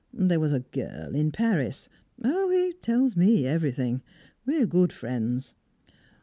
There was a girl in Paris. Oh, he tells me everything! We're good friends.